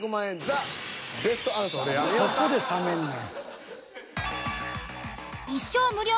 そこで冷めんねん。